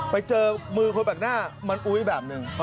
ไปเจอมือคนแปลกหน้ามันอุ๊ยแบบหนึ่ง